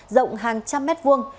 rộng hàng trăm mét vuông